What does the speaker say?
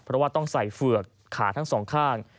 เพราะว่าต้องใส่เฝือกขาทั้งสองข้าง